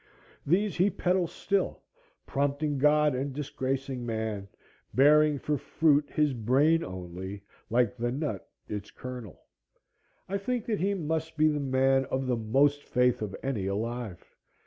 These he peddles still, prompting God and disgracing man, bearing for fruit his brain only, like the nut its kernel. I think that he must be the man of the most faith of any alive.